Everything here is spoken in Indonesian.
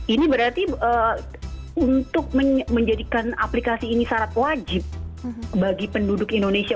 ini berarti untuk menjadikan aplikasi ini syarat wajib bagi penduduk indonesia